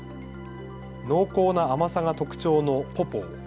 濃厚な甘さが特徴のポポー。